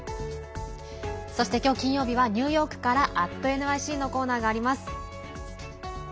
そして今日、金曜日はニューヨークから「＠ｎｙｃ」のコーナーがあります。